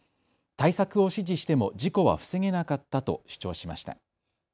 対策を指示しても事故は防げなかったと主張しました。